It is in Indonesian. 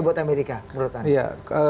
buat amerika menurut anda